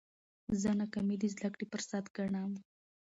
زه ناکامي د زده کړي فرصت ګڼم.